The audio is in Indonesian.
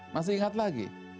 masih ingat lagi